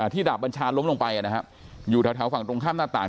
ดาบบัญชาล้มลงไปอยู่แถวฝั่งตรงข้ามหน้าต่าง